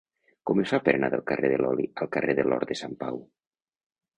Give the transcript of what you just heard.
Com es fa per anar del carrer de l'Oli al carrer de l'Hort de Sant Pau?